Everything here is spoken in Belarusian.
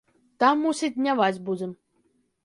Там, мусіць, дняваць будзем.